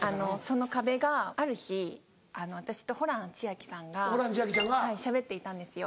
その壁がある日私とホラン千秋さんがしゃべっていたんですよ